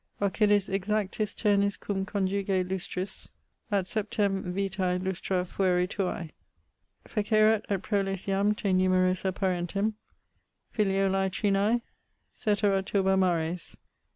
Occidis exactis ternis cum conjuge lustris, At septem vitae lustra fuere tuae. Fecerat et proles jam te numerosa parentem, Filiolae trinae, caetera turba mares.